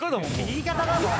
言い方だぞ！